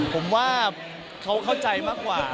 ผมว่าเขาเข้าใจมากกว่า